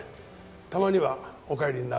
たまにはお帰りになる？